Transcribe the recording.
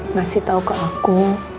ngasih tahu ke aku